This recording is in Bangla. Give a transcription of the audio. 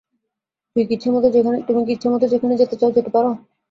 তুমি কি ইচ্ছামতো যেখানে যেতে চাও যেতে পার?